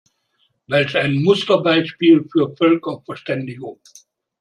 Welch ein Musterbeispiel für Völkerverständigung!